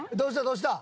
どうした？